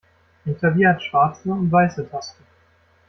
Ein Klavier hat schwarze und weiße Tasten.